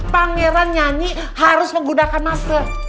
pangeran nyanyi harus menggunakan masker